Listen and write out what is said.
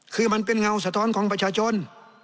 คือมันเป็นเงาสะท้อนของประชาชน